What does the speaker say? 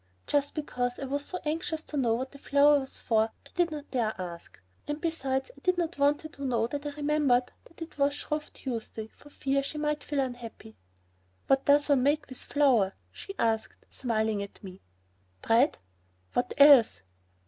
Just because I was so anxious to know what the flour was for I did not dare ask. And besides I did not want her to know that I remembered that it was Shrove Tuesday for fear she might feel unhappy. "What does one make with flour?" she asked, smiling at me. "Bread." "What else?"